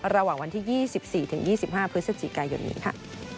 ระหว่างวันที่๒๔๒๕พฤศจิกายนนี้ค่ะ